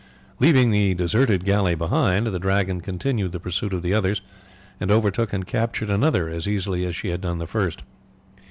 Leaving the deserted galley behind, the Dragon continued the pursuit of the others, and overtook and captured another as easily as she had done the first.